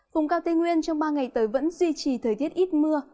vùng cao tây nguyên trong ba ngày tới vẫn duy trì thời tiết ít mưa